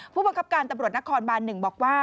ผู้บังคับการตำรวจนครบาน๑บอกว่า